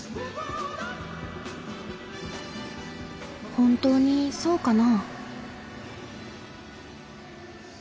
本当にそうかな？